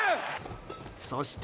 そして。